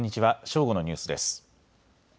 正午のニュースです。